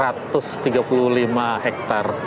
jadi lumayan ya